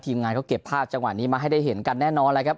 งานเขาเก็บภาพจังหวะนี้มาให้ได้เห็นกันแน่นอนแล้วครับ